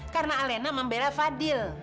karena alena membela fadil